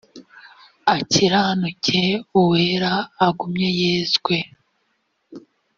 akiranuke uwera agumye yezwe